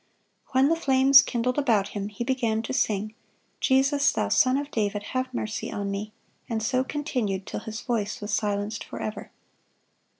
(143) When the flames kindled about him, he began to sing, "Jesus, Thou Son of David, have mercy on me," and so continued till his voice was silenced forever.